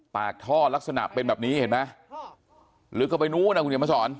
ปากท่อลักษณะเป็นแบบนี้เห็นไหมลึกเข้าไปนู้นนะคุณเขียนมาสอน